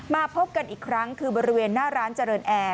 มาพบกันอีกครั้งคือบริเวณหน้าร้านเจริญแอร์